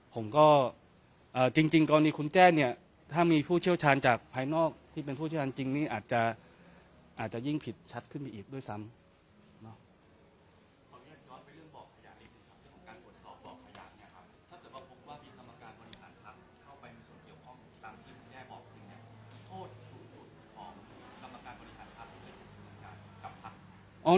ผมก็จริงกรณีคุณแก้เนี่ยถ้ามีผู้เชี่ยวชาญจากภายนอกที่เป็นผู้เชี่ยวชาญจริงนี่อาจจะอาจจะยิ่งผิดชัดขึ้นมาอีกด้วยซ้ำ